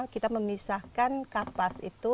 kita memisahkan kapas itu